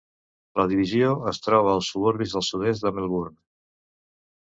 La divisió es troba als suburbis del sud-est de Melbourne.